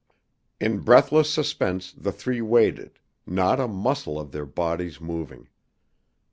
In breathless suspense the three waited, not a muscle of their bodies moving.